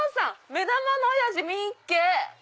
目玉のおやじ見っけ！